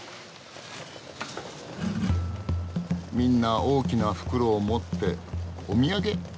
みんな大きな袋を持ってお土産？